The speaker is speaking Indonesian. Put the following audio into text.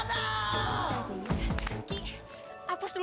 udah hapus hapus